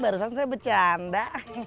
barusan saya bercanda